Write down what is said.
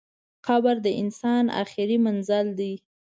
قبر د انسان اخري منزل دئ.